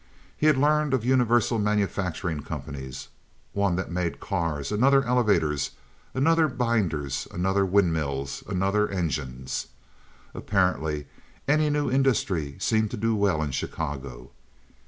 He had learned of universal manufacturing companies—one that made cars, another elevators, another binders, another windmills, another engines. Apparently, any new industry seemed to do well in Chicago.